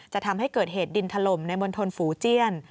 จะทำให้เกิดเหตุดินถล่มในมณฑลฝูเจียน